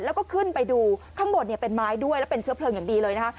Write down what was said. แล้วก็ขึ้นไปดูข้างบนเนี่ยเป็นไม้ด้วยแล้วเป็นเชื้อเพลิงอย่างดีเลยนะคะ